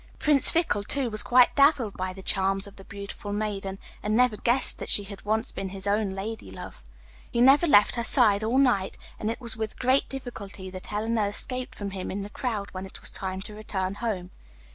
Prince Fickle, too, was quite dazzled by the charms of the beautiful maiden, and never guessed that she had once been his own ladylove. He never left her side all night, and it was with great difficulty that Helena escaped from him in the crowd when it was time to return home.